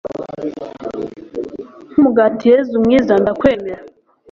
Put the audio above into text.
nk'umugati yezu mwiza ndakwemera